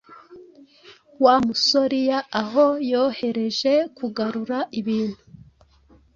Wamusoriya aho yohereje kugarura ibintu